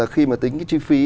khi mà tính cái chi phí